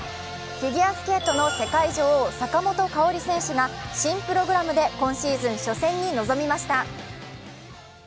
フィギュアスケートの世界女王・坂本花織選手が新プログラムで今シーズン初戦に臨みました。